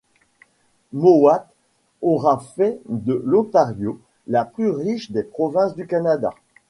Mowat aura fait de l'Ontario la plus riche des provinces du Canada.